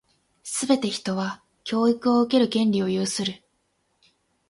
すべて人は、教育を受ける権利を有する。